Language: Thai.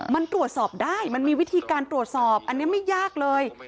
มันตรวจสอบได้มันมีวิธีการตรวจสอบอันนี้ไม่ยากเลย